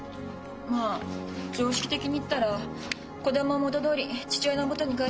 まあ常識的に言ったら子供を元どおり父親のもとに返すのが先よ。